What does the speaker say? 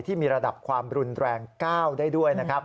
ที่มีระดับความรุนแรงก้าวได้ด้วย